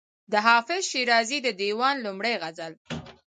د حافظ شیرازي د دېوان لومړی غزل.